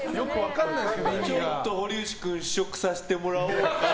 ちょっと堀内君試食させてもらおうかな。